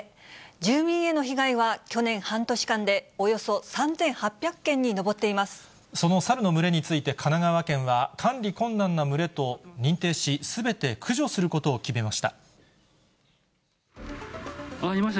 住民への被害は去年、半年間でおそのサルの群れについて神奈川県は、管理困難な群れと認定し、すべて駆除することを決めました。